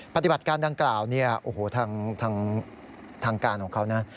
ปฏิบัติการดังกล่าวเนี่ยโอ้โหทางการของเขานะ